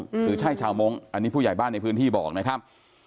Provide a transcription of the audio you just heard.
หรือใช่ชาวมงค์อันนี้ผู้ใหญ่บ้านในพื้นที่บอกนะครับ